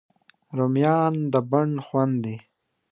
رومیان د بڼ خوند دي